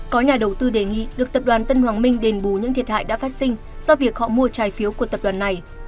có nhà đầu tư đề nghị được tập đoàn tân hoàng minh đền bù những thiệt hại đã phát sinh do việc họ mua trái phiếu của tập đoàn này